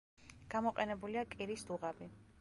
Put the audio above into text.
გამოყენებულია კირის დუღაბი.